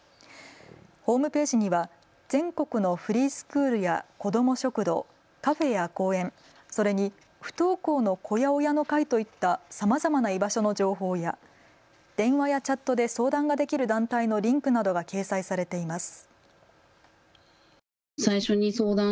ホームページには全国のフリースクールや子ども食堂、カフェや公園、それに不登校の子や親の会といったさまざまな居場所の情報や電話やチャットで相談ができる団体のリンクなどが掲載されています。